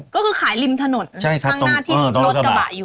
ก็คือขายริมถนนใช่ครับตรงตรงตรงตรงตรงหน้าที่รถกระบะอยู่